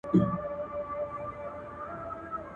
تر قیامته به روغ نه سم زه نصیب د فرزانه یم.